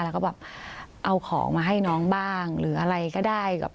แล้วก็แบบเอาของมาให้น้องบ้างหรืออะไรก็ได้